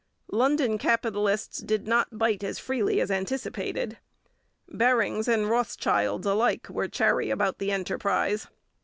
London capitalists did not bite as freely as anticipated. Barings and Rothschilds alike were chary about the enterprise.